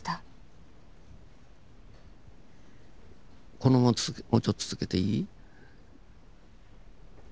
このままもうちょっと続けていい？